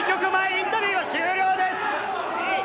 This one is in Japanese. インタビューは終了です！